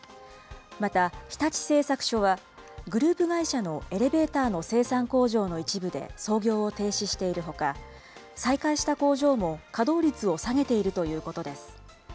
また、日立製作所は、グループ会社のエレベーターの生産工場の一部で操業を停止しているほか、再開した工場も稼働率を下げているということです。